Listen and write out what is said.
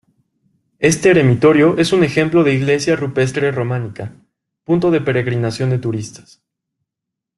Este eremitorio es un ejemplo de iglesia rupestre románica, punto de peregrinación de turistas.